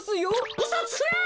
うそつくな！